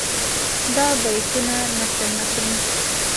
دا بیتونه نشر نه کړي.